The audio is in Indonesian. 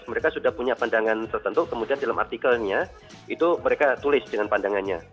mereka sudah punya pandangan tertentu kemudian dalam artikelnya itu mereka tulis dengan pandangannya